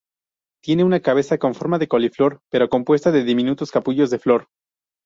Tiene una cabeza con forma de coliflor, pero compuesta de diminutos capullos de flor.